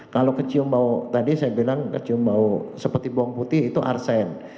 kalau kecium bau tadi saya bilang kecium bau seperti bawang putih itu arsen